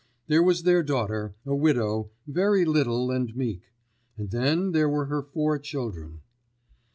There was their daughter, a widow, very little and meek. And then there were her four children.